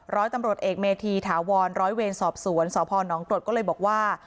ร้อยตำรวจเอกเมธีถาวรร้อยเวรสอบสวนสพนกรดก็เลยบอกว่า